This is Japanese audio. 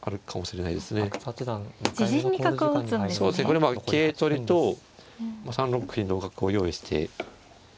これ桂取りと３六歩に同角を用意して。